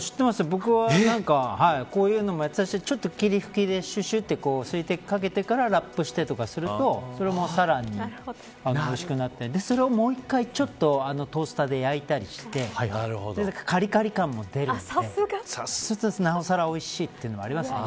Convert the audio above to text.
僕はこういうのもやってたしちょっと霧吹きで水滴かけてからラップしたりするとそれもさらにおいしくなってそれをもう１回ちょっとトースターで焼いたりしてカリカリ感も出るんでそうすると、なおさらおいしいというのありますね。